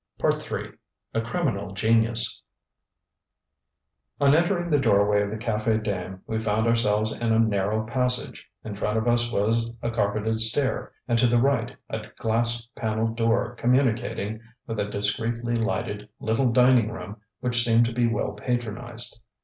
ŌĆØ III A CRIMINAL GENIUS On entering the doorway of the Cafe Dame we found ourselves in a narrow passage. In front of us was a carpeted stair, and to the right a glass panelled door communicating with a discreetly lighted little dining room which seemed to be well patronized.